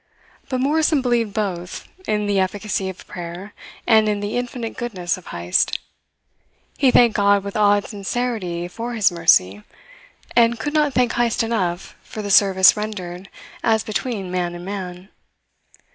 But Morrison believed both, in the efficacy of prayer and in the infinite goodness of Heyst. He thanked God with awed sincerity for his mercy, and could not thank Heyst enough for the service rendered as between man and man.